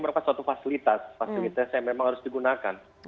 kan pas suatu fasilitas fasilitas yang memang harus digunakan